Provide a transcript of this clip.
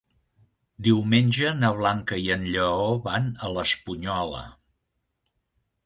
Diumenge na Blanca i en Lleó van a l'Espunyola.